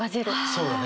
そうやね。